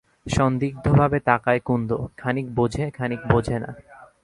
সন্দিগ্ধভাবে তাকায় কুন্দ, খানিক বোঝে খানিক বোঝে না।